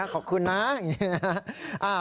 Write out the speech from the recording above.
ขอบคุณนะ